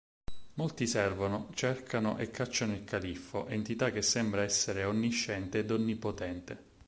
Molti servono, cercano e cacciano il Califfo, entità che sembra essere onnisciente ed onnipotente.